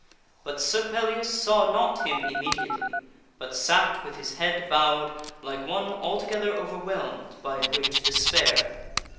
But Sir Pellias saw not him immediately, but sat with his head bowed, like eth ,/',. to Sir Pellias. one altogether overwhelmed by a great despair.